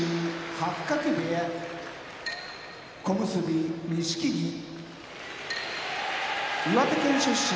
八角部屋小結・錦木岩手県出身